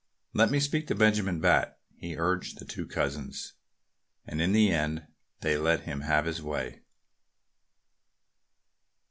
Let me speak to Benjamin Bat!" he urged the two cousins. And in the end they let him have his way.